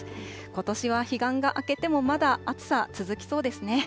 ことしは彼岸が明けてもまだ暑さ続きそうですね。